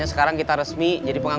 kita sekarang mulai breakdown pr pregnancy